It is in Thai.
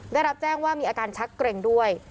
ได้รับแจ้งว่ามีอาการชักเกร็งด้วย